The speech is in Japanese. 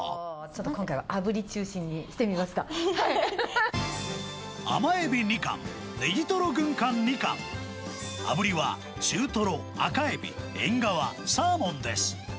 ちょっと今回はあぶり中心に甘エビ２貫、ネギトロ軍艦２貫、あぶりは中トロ、赤エビ、エンガワ、サーモンです。